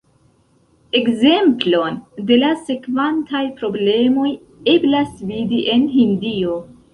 Ekzemplon de la sekvantaj problemoj eblas vidi en Hindio.